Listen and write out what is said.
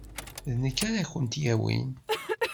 D nekk ara kent-yawin.